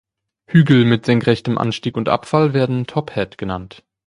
Hügel mit senkrechtem Anstieg und Abfall werden "Top-Hat" genannt.